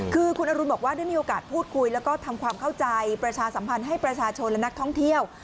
คือคุณอรุณบอกว่าได้มีโอกาสพูดคุยแล้วก็ทำความเข้าใจประชาสัมพันธ์ให้ประชาชนและนักท่องเที่ยว